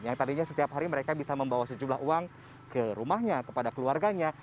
yang tadinya setiap hari mereka bisa membawa sejumlah uang ke rumahnya kepada keluarganya